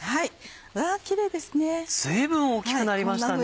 わぁキレイですね。